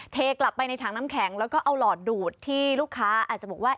เทกลับไปในถังน้ำแข็งแล้วก็เอาหลอดดูดที่ลูกค้าอาจจะบอกว่า